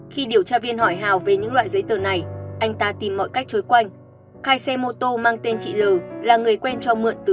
khi điều tra viên hỏi hào về những loại giấy tờ này anh ta tìm mọi cách trối quanh